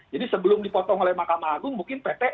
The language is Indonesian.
jadi sebelum dipotong oleh mahkamah agung mungkin pt